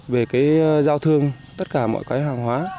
về cái giao thương tất cả mọi cái hàng hóa